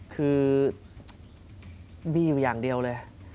คือบี้อยู่อย่างเดียวเลย